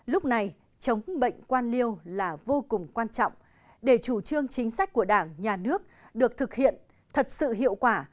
lúc này chống bệnh quan liêu là vô cùng quan trọng để chủ trương chính sách của đảng nhà nước được thực hiện thật sự hiệu quả